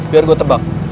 biar gua tebak